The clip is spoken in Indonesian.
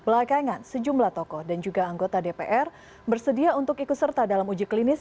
belakangan sejumlah tokoh dan juga anggota dpr bersedia untuk ikut serta dalam uji klinis